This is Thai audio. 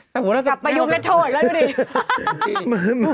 แต่ผมต้องกลับไปยุ่งเล็กโทย์แล้วดิ